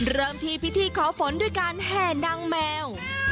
เริ่มที่พิธีขอฝนด้วยการแห่นางแมว